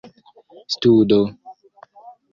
studo